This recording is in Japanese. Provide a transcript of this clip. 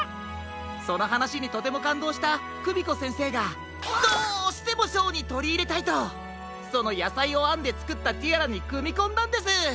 そのはなしにとてもかんどうしたクミコせんせいがどうしてもショーにとりいれたいとそのやさいをあんでつくったティアラにくみこんだんです。